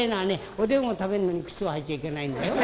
おでんを食べるのに靴を履いちゃいけないんだよ。